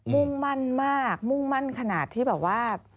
มุ่งมั่นมากมุ่งมั่นขนาดที่แบบว่า